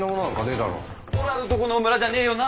おらのとこの村じゃねえよな？